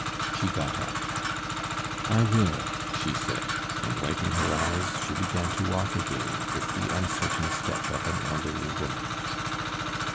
She got up. "I will," she said, and wiping her eyes, she began to walk again with the uncertain step of an elderly woman.